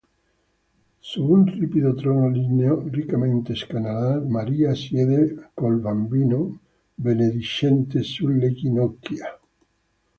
Su un ripido trono ligneo riccamente scanalato, Maria siede col Bambino benedicente sulle ginocchia.